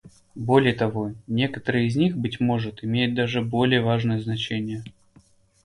Более того, некоторые из них, быть может, имеют даже более важное значение.